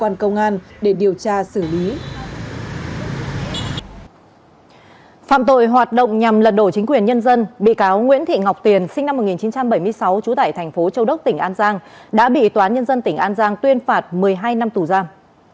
phạm tội hoạt động nhằm lật đổ chính quyền nhân dân bị cáo nguyễn thị ngọc tiền sinh năm một nghìn chín trăm bảy mươi sáu trú tại thành phố châu đốc tỉnh an giang đã bị tòa án nhân dân tỉnh an giang tuyên phạt một mươi hai năm tù giam